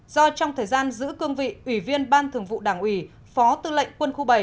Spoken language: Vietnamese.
do trong thời gian giữ cương vị ủy viên ban thường vụ đảng ủy phó tư lệnh quân khu bảy